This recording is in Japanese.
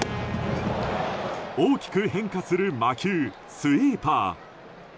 大きく変化する魔球スイーパー。